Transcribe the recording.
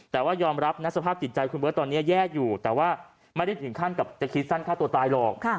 แต่ว่ายอมรับนะสภาพจิตใจคุณเบิร์ตตอนนี้แย่อยู่แต่ว่าไม่ได้ถึงขั้นกับจะคิดสั้นฆ่าตัวตายหรอก